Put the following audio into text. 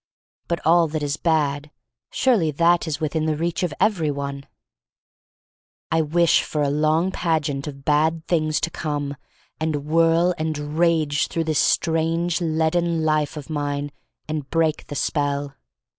But all that is bad — surely that is within the reach of every one. 221 222 THE STORY OF MARY MAC LANE I wish for a long pageant of bad things to come and whirl and rage through this strange leaden life of mine and break the spell.